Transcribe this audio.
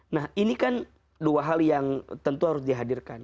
nah ini kan dua hal yang tentu harus dihadirkan